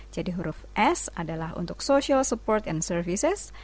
jadi huruf s adalah untuk social support and services